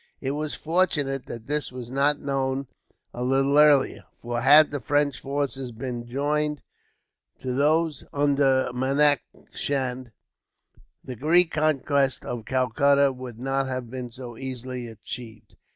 It was fortunate that this was not known a little earlier; for had the French forces been joined to those under Manak Chand, the reconquest of Calcutta would not have been so easily achieved.